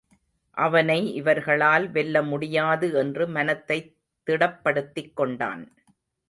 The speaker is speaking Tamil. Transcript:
அவனை இவர்களால் வெல்ல முடியாது என்று மனத்தைத் திடப்படுத்திக் கொண்டான்.